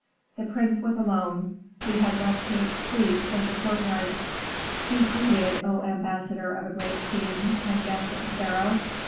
The prince was alone; he had left his suite in the courtyard. "Be greeted, O ambassador of a great king, and guest of the pharaoh.